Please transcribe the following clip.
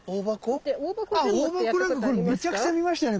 オオバコなんかこれめちゃくちゃ見ましたよね